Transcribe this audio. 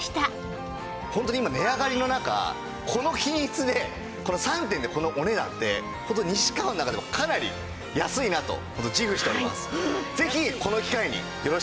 ホントに今値上がりの中この品質で３点でこのお値段ってホントに西川の中でもかなり安いなと自負しております。